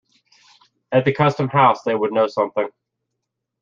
At the Custom House they would know something.